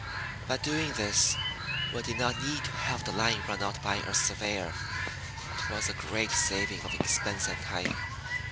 By doing this we did not need to have the line run out by a surveyor. It was a great saving of expense and time.